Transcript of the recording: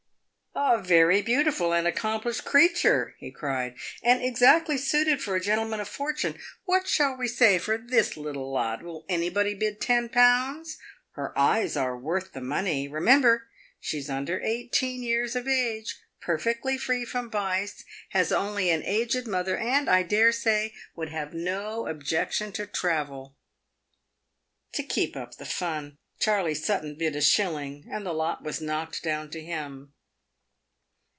"A very beautiful and accomplished creature!" he cried, "and exactly suited for a gentleman of fortune. What shall we say for this little lot ? Will anybody bid ten pounds ? Her eyes are worth the money. Remember ! she is under eighteen years of age, per fectly free from vice, has only an aged mother, and, I dare say, would have no objection to travel." To keep up the fun, Charley Sutton bid a shilling, and the lot was knocked down to him.